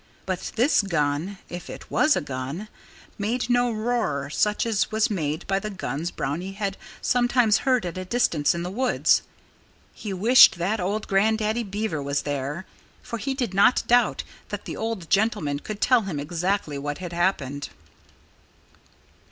But this gun (if it was a gun) made no roar such as was made by the guns Brownie had sometimes heard at a distance in the woods. He wished that old Grandaddy Beaver was there. For he did not doubt that the old gentleman could tell him exactly what had happened.